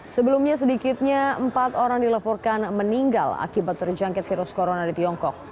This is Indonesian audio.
sebelumnya sedikitnya empat orang dilaporkan meninggal akibat terjangkit virus corona di tiongkok